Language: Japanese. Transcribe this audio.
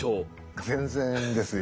全然ですよ。